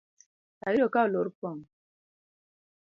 Ayudo ka olor pong